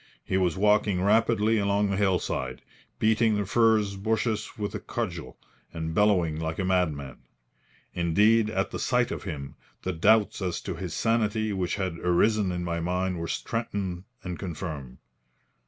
He was walking rapidly along the hillside, beating the furze bushes with a cudgel and bellowing like a madman. Indeed, at the sight of him, the doubts as to his sanity which had arisen in my mind were strengthened and confirmed.